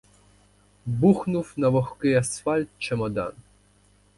Бухнув на вогкий асфальт чемодан.